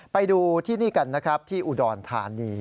ไปดูที่นี่กันนะครับที่อุดรธานี